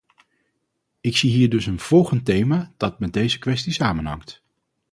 Ik zie hier dus een volgend thema dat met deze kwestie samenhangt.